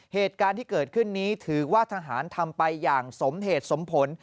เหตุการณ์ที่เกิดขึ้นนี้ถือว่าทหารทำไปอย่างสมเหตุสมผล